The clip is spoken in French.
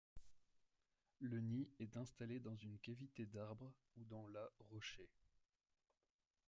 Le nid est installé dans une cavité d'arbre ou dans la rochers.